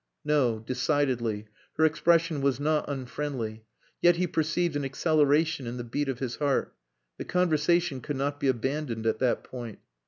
No, decidedly; her expression was not unfriendly. Yet he perceived an acceleration in the beat of his heart. The conversation could not be abandoned at that point.